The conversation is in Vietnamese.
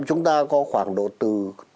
chúng ta có khoảng độ từ